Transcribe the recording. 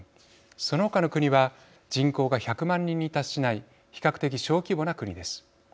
そのほかの国は人口が１００万人に達しない比較的小規模な国です。